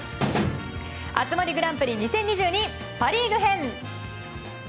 熱盛グランプリ２０２２パ・リーグ編。